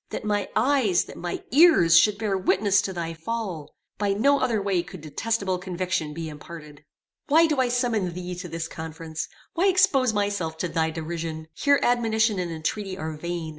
That my eyes, that my ears, should bear witness to thy fall! By no other way could detestible conviction be imparted. "Why do I summon thee to this conference? Why expose myself to thy derision? Here admonition and entreaty are vain.